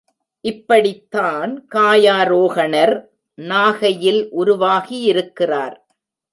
இப்படித் தான் காயாரோகணர் நாகையில் உருவாகியிருக்கிறார்.